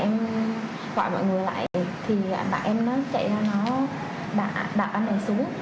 em gọi mọi người lại thì bạn em nó chạy ra nó đã đặt anh này xuống